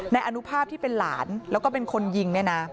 อนุภาพที่เป็นหลานแล้วก็เป็นคนยิงเนี่ยนะ